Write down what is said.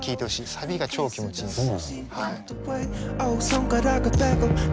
サビが超気持ちいいんです。